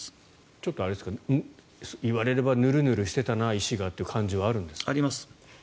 ちょっとあれですか言われれば石がヌルヌルしてたなという感じはあるんですか？